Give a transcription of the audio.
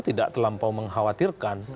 tidak terlampau mengkhawatirkan